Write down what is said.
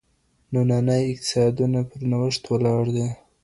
ننني اقتصادونه پر نوښت ولاړ دي.